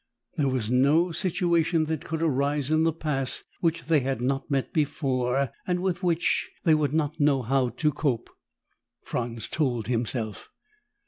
There was no situation that could arise in the Pass which they had not met before and with which they would not know how to cope, Franz told himself.